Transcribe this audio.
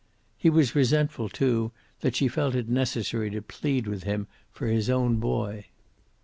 He was resentful, too, that she felt it necessary to plead with him for his own boy.